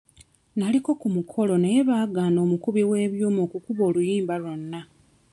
Naliko ku mukolo naye baagaana omukubi w'ebyuma okukuba oluyimba lwonna.